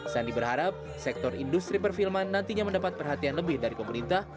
sandi berharap sektor industri perfilman nantinya mendapat perhatian lebih dari pemerintah